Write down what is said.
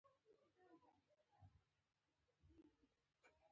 د نوکانو د کلکوالي لپاره د څه شي اوبه وکاروم؟